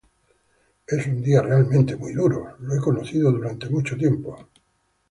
Es un día realmente muy duro... Lo he conocido durante mucho tiempo.